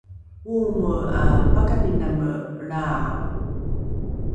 oomoe ’a pakaniname lraa